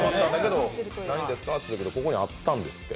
ないんですかと言ったらここにあったんですって。